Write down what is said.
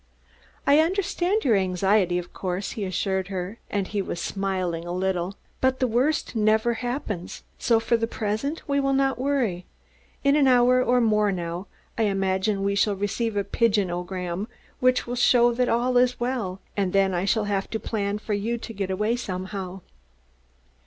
"I understand your anxiety, of course," he assured her, and he was smiling a little, "but the worst never happens so for the present we will not worry. In an hour or more, now, I imagine we shall receive a pigeon o gram which will show that all is well. And then I shall have to plan for you to get away somehow."